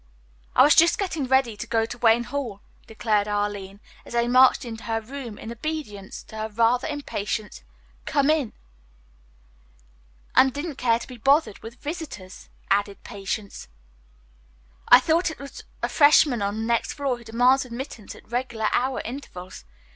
"I was just getting ready to go to Wayne Hall," declared Arline, as they marched into her room in obedience to her rather impatient "Come in." "And didn't care to be bothered with visitors," added Patience. "I thought it was a freshman on the next floor who demands admittance at regular hour intervals.